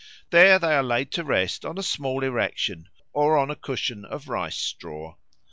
There they are laid to rest on a small erection or on a cushion of rice straw.